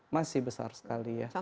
masih besar sekali ya